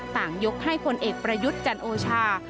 ต่างยกให้คนเอกประยุทธ์จันโอชา